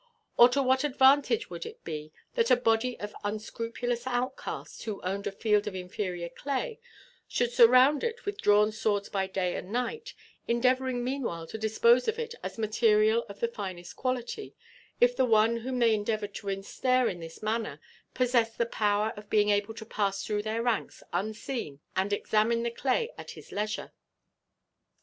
Or to what advantage would it be that a body of unscrupulous outcasts who owned a field of inferior clay should surround it with drawn swords by day and night, endeavouring meanwhile to dispose of it as material of the finest quality, if the one whom they endeavoured to ensnare in this manner possessed the power of being able to pass through their ranks unseen and examine the clay at his leisure?"